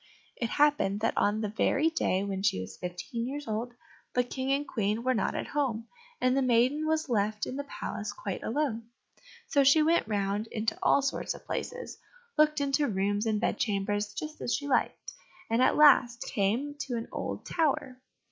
It happened that on the very day when she was fifteen years old, the King and Queen were not at home, and the maiden was left in the palace quite alone. So she went round into all sorts of places, looked into rooms and bed chambers just as she liked, and at last came to an old tower.